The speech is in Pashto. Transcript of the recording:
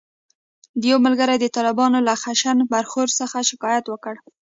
یو ملګري د طالبانو له خشن برخورد څخه شکایت وکړ.